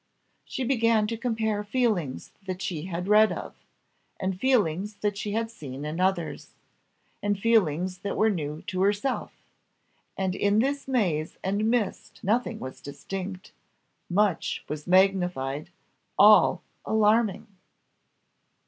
She began to compare feelings that she had read of, and feelings that she had seen in others, and feelings that were new to herself, and in this maze and mist nothing was distinct much was magnified all alarming.